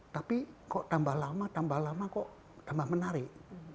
tapi kok tambah lama tambah lama kok tambah menarik